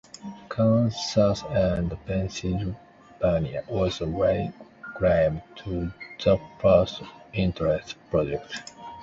Kansas and Pennsylvania also lay claim to the first interstate project.